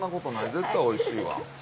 絶対おいしいわ。